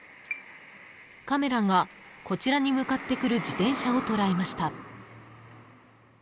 ［カメラがこちらに向かってくる自転車を捉えました］